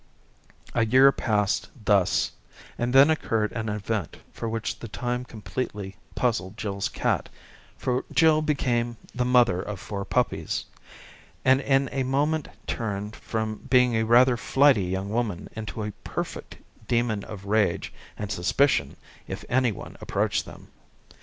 i8o A year passed thus, and then occurred an event which for the time completely puzzled Jill's cat, for Jill became the mother of four puppies, and in a moment turned from being a rather flighty young woman into a perfect demon of rage and sus picion if anyone approached them.